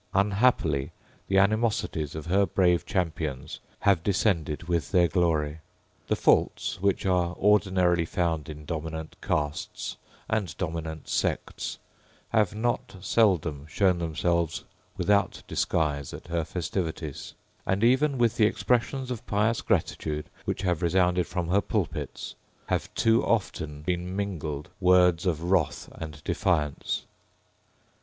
Unhappily the animosities of her brave champions have descended with their glory. The faults which are ordinarily found in dominant castes and dominant sects have not seldom shown themselves without disguise at her festivities; and even with the expressions of pious gratitude which have resounded from her pulpits have too often been mingled words of wrath and defiance.